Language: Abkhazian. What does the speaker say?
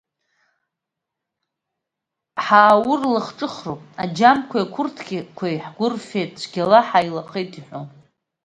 Ҳааурлахҿыхроуп, аџьамқәеи ақәырдқәеи ҳгәы рфеит, цәгьала ҳаилахеит иҳәон!